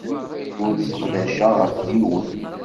Ur sseqsayeɣ ɣef yiwen.